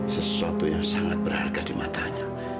sesuatu yang sangat berharga di matanya